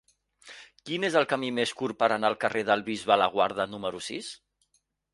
Quin és el camí més curt per anar al carrer del Bisbe Laguarda número sis?